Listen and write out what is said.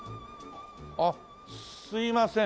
あっすいません。